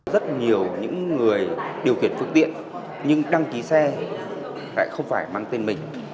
rất nhiều những người điều khiển phương tiện nhưng đăng ký xe lại không phải mang tên mình